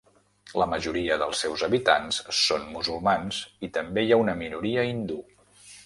La majoria dels seus habitants són musulmans i també hi ha una minoria hindú.